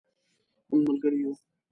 مونږ ملګري یو